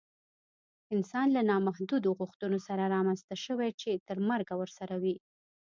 انسان له نامحدودو غوښتنو سره رامنځته شوی چې تر مرګه ورسره وي